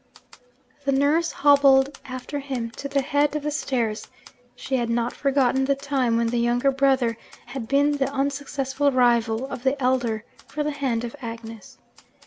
The nurse hobbled after him to the head of the stairs: she had not forgotten the time when the younger brother had been the unsuccessful rival of the elder for the hand of Agnes.